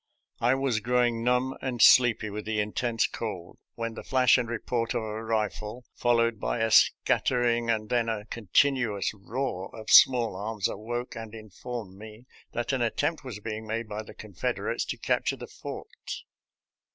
I was growing numb and sleepy with the intense cold, when the flash and report of a rifle, followed by a scattering and then a continuous roar of small arms, awoke and in formed me that an attempt was being made by the Confederates to capture the fort.